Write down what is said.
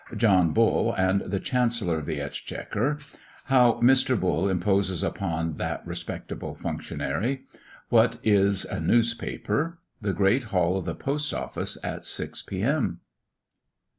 JOHN BULL AND THE CHANCELLOR OF THE EXCHEQUER. HOW MR. BULL IMPOSES UPON THAT RESPECTABLE FUNCTIONARY. WHAT IS A NEWSPAPER? THE GREAT HALL OF THE POST OFFICE AT SIX P.M.